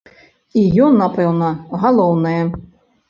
І ён, напэўна, галоўнае.